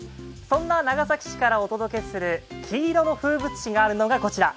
そんな長崎市からお届けする黄色の風物詩があるのがこちら。